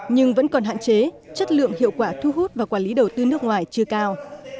nhưng vẫn còn hạn chế chất lượng hiệu quả thu hút và quản lý đầu tư nước ngoài chưa cao